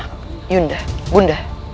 kalian ini kemana